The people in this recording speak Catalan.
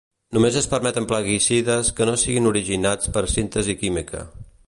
Només es permeten plaguicides que no siguin originats per síntesi química.